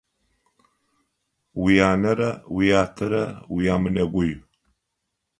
Уянэрэ уятэрэ уямынэгуй.